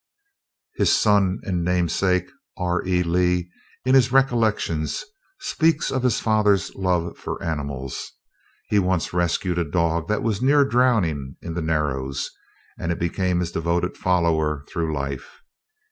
His son and namesake, R. E. Lee, in his "Recollections," speaks of his father's love for animals. He once rescued a dog that was near drowning in the "Narrows," and it became his devoted follower through life.